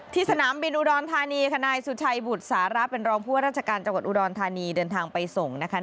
สนามบินอุดรธานีค่ะนายสุชัยบุตรสาระเป็นรองผู้ว่าราชการจังหวัดอุดรธานีเดินทางไปส่งนะคะ